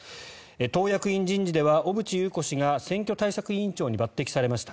党役員人事では小渕優子氏が選挙対策委員長に抜てきされました。